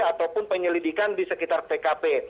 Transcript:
ataupun penyelidikan di sekitar tkp